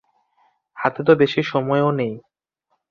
হাতে তো বেশি সময় ও নেই।